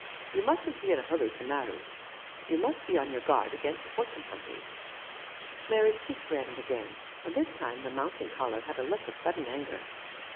You mustn't be in a hurry to marry. You must be on your guard against fortune hunters." Mary's cheeks reddened again, and this time the mounting colour had a look of sudden anger.